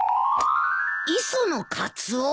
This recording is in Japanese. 「磯野カツオ」？